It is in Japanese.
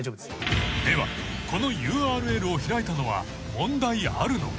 ［ではこのＵＲＬを開いたのは問題あるのか？］